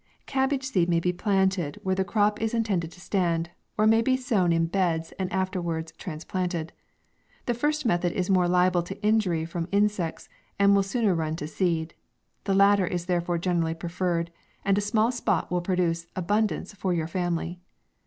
Cabbage seed may be planted where the 76 MAV. crop is intended to stand, or may be sown in beds, and afterwards transplanted. The first method is more liable to injury from in sects, arid will sooner run to seed ; the latter is therefore generally preferred ; and a small spot will produce abundance for your fami ly.